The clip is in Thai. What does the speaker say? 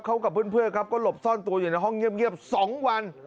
เขากับเพื่อนครับก็หลบซ่อนตัวอยู่ในห้องเงียบ๒วัน